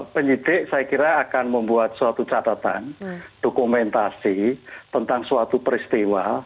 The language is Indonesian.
penyidik saya kira akan membuat suatu catatan dokumentasi tentang suatu peristiwa